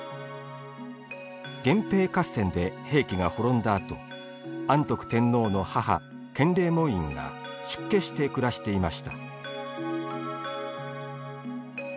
源平合戦で平家が滅んだあと安徳天皇の母・建礼門院が出家して暮らしていました。